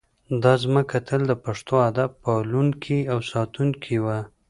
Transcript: دا ځمکه تل د پښتو ادب پالونکې او ساتونکې وه